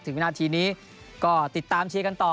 วินาทีนี้ก็ติดตามเชียร์กันต่อ